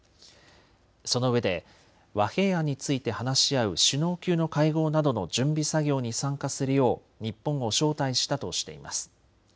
そのうえで和平案について話し合う首脳級の会合などの準備作業に参加するよう日本を招待したとしています。